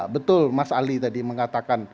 betul mas ali tadi mengatakan